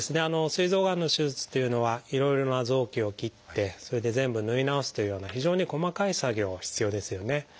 すい臓がんの手術というのはいろいろな臓器を切ってそれで全部縫い直すというような非常に細かい作業必要ですよね。